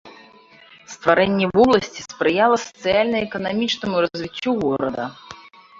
Стварэнне вобласці спрыяла сацыяльна-эканамічнаму развіццю горада.